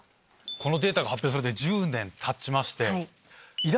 このデータが発表されて１０年たちまして。